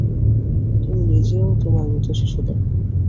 তুমি নিজেও তোমার মৃত শিশু দেখনি।